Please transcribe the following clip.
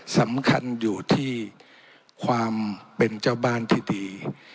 สำคัญอยู่ที่ความเป็นเจ้าบ้านที่ดี